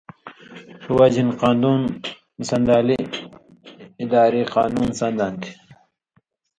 ݜُو وجیۡ ہِن قانُون سَندانۡلی اِداری قانُون سن٘دا تھی